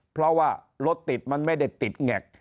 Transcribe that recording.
เพราะว่ารถติดมันไม่ได้ติดแงก